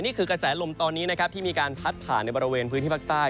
กระแสลมตอนนี้นะครับที่มีการพัดผ่านในบริเวณพื้นที่ภาคใต้